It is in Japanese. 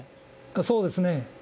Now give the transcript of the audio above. そうですね。